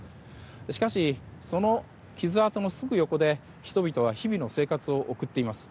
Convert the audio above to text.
しかし、その傷跡のすぐ横で人々は日々の生活を送っています。